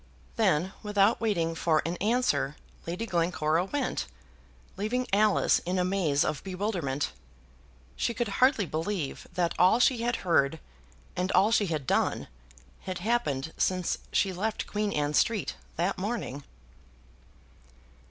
Then without waiting for an answer Lady Glencora went, leaving Alice in a maze of bewilderment. She could hardly believe that all she had heard, and all she had done, had happened since she left Queen Anne Street that morning.